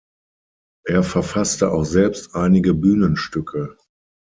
Er verfasste auch selbst einige Bühnenstücke.